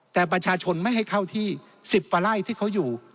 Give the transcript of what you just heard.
แต่ประชาชนไม่ให้เข้าที่๑๐กว่าไร่ที่เขาอยู่